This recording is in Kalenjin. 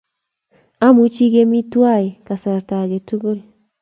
Amuchi kemi tuwai eng kasarta age tugul